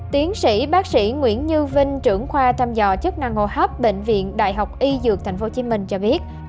tiến sĩ bác sĩ nguyễn như vinh trưởng khoa thăm dò chức năng hô hấp bệnh viện đại học y dược tp hcm cho biết